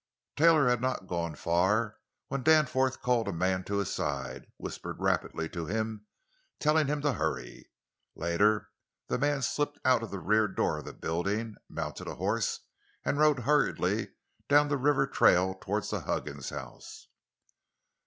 Taylor had not gone far when Danforth called a man to his side, whispered rapidly to him, telling him to hurry. Later the man slipped out of the rear door of the building, mounted a horse, and rode hurriedly down the river trail toward the Huggins house.